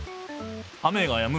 雨がやむ。